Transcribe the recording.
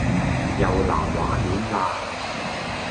又藍畫面啦